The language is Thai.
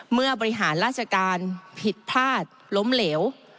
บริหารราชการผิดพลาดล้มเหลว